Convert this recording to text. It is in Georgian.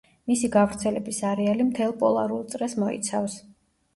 მისი გავრცელების არეალი მთელ პოლარულ წრეს მოიცავს.